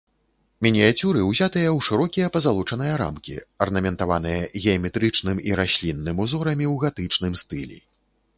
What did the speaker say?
Мініяцюры ўзятыя ў шырокія пазалочаныя рамкі, арнаментаваныя геаметрычным і раслінным узорамі ў гатычным стылі.